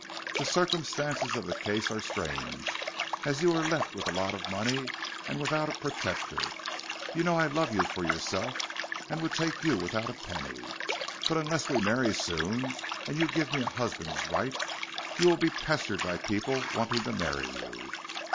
The circumstances of the case are strange, as you are left with a lot of money and without a protector. You know I love you for yourself, and would take you without a penny, but unless we marry soon, and you give me a husband's right, you will be pestered by people wanting to marry you."